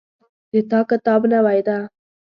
د تا کتاب نوی ده